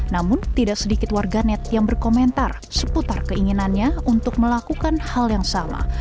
namun tidak sedikit warganet yang berkomentar seputar keinginannya untuk melakukan hal yang sama